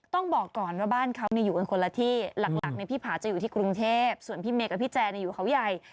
ต้องบอกก่อนว่าบ้านเขาอยู่กันคนละที่หลักพี่ผาจะอยู่ที่กรุงเทพส่วนพี่เมย์กับพี่แจอยู่เขาใหญ่